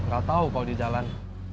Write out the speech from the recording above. nggak tahu kalau di jalan